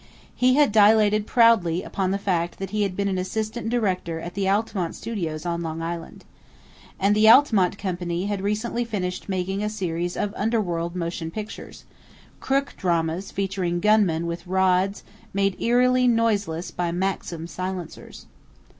He had dilated proudly upon the fact that he had been an assistant director at the Altamont Studios on Long Island. And the Altamont company had recently finished making a series of "underworld" motion pictures crook dramas featuring gunmen with "rods" made eerily noiseless by Maxim silencers.